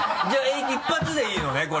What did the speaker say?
じゃあ一発でいいのね？